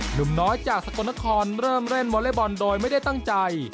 หนุ่มน้อยจากสกลนครเริ่มเล่นวอเล็กบอลโดยไม่ได้ตั้งใจ